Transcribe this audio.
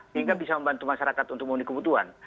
sehingga bisa membantu masyarakat untuk memenuhi kebutuhan